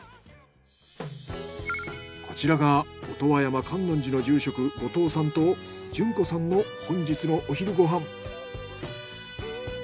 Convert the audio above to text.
こちらが音羽山観音寺の住職後藤さんと潤子さんの本日のお昼ご飯。